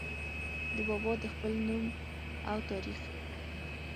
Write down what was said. د بابا د خپل نوم او تاريخ